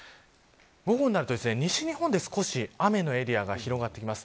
午後になると西日本で少し雨のエリアが広がってきます。